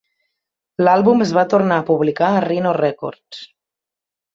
L'àlbum es va tornar a publicar a Rhino Records.